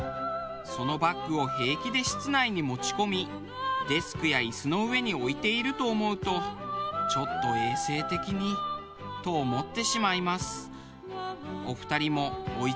そのバッグを平気で室内に持ち込みデスクやイスの上に置いていると思うとちょっと衛生的にと思ってしまいます。